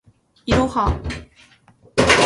いろは